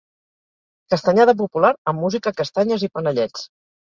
Castanyada popular amb música, castanyes i panellets.